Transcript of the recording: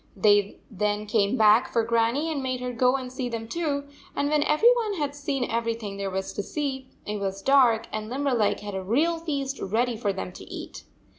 Then they came back for Grannie and made her go and see them too, and when every one had seen everything there was to see, it was dark, and Limberleg had a real feast ready for them to eat.